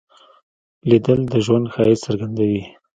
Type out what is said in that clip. لیدل د ژوند ښایست څرګندوي